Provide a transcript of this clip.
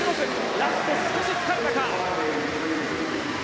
ラスト、少し疲れたか。